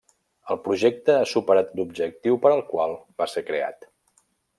El projecte ha superat l'objectiu per al qual va ser creat.